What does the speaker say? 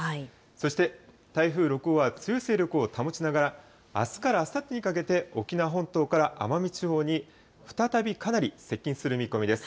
そして台風６号は強い勢力を保ちながらあすからあさってにかけて沖縄本島から奄美地方に再びかなり接近する見込みです。